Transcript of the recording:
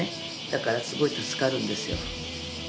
だからすごい助かるんですよ。